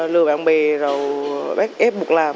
lừa bạn bè rồi bác ép buộc làm